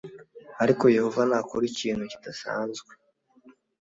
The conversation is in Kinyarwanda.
ariko yehova nakora ikintu kidasanzwe